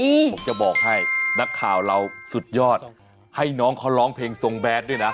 ผมจะบอกให้นักข่าวเราสุดยอดให้น้องเขาร้องเพลงทรงแบทด้วยนะ